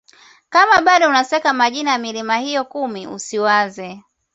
Kama bado unasaka majina ya milima hiyo kumi usiwaze